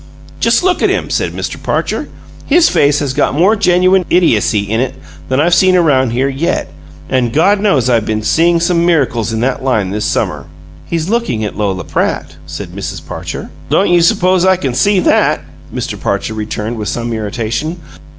"Just look at him!" said Mr. Parcher. "His face has got more genuine idiocy in it than I've seen around here yet, and God knows I've been seeing some miracles in that line this summer!" "He's looking at Lola Pratt," said Mrs. Parcher. "Don't you suppose I can see that?" Mr. Parcher returned, with some irritation.